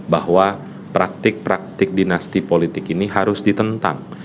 bahwa praktik praktik dinasti politik ini harus ditentang